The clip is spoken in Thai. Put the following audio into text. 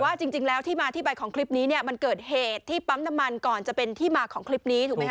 จริงแล้วที่มาที่ไปของคลิปนี้เนี่ยมันเกิดเหตุที่ปั๊มน้ำมันก่อนจะเป็นที่มาของคลิปนี้ถูกไหมค